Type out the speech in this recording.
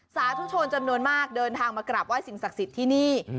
สาธุชนจำนวนมากเดินทางมากราบไห้สิ่งศักดิ์สิทธิ์ที่นี่